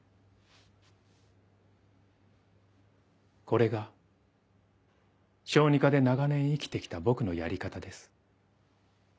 これが小児科で長年生きて来た僕のやり方です。